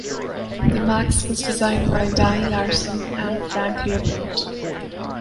The Maxx was designed by Danny Larson and Frank Leopold.